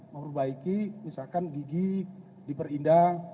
memperbaiki misalkan gigi diperindah